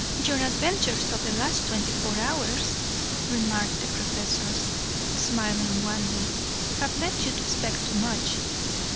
"Your adventures of the last twenty four hours," remarked the professor, smiling wanly, "have led you to expect too much.